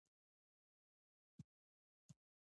اواز یې په ګرځنده سپېکر کې اورېدل کېده.